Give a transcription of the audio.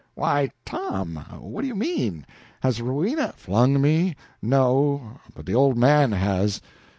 "Why, Tom, what do you mean? Has Rowena " "Flung me? No, but the old man has."